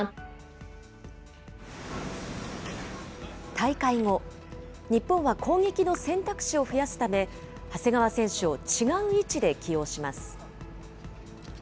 大会後、日本は攻撃の選択肢を増やすため、長谷川選手を違う位置で起用します。